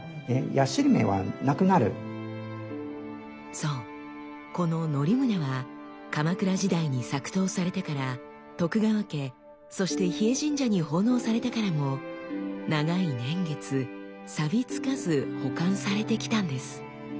そうこの則宗は鎌倉時代に作刀されてから徳川家そして日枝神社に奉納されてからも長い年月さび付かず保管されてきたんです。